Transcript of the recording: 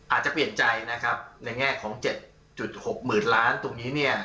อาจจะเปลี่ยนใจนะครับในแง่ของ๗๖๐๐๐ล้านตรงนี้เนี่ย